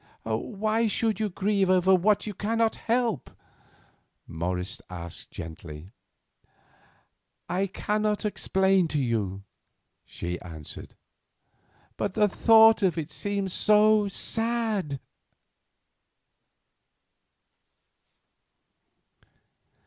"Why should you grieve over what you cannot help?" asked Morris gently. "I cannot quite explain to you," she answered; "but the thought of it seems so sad."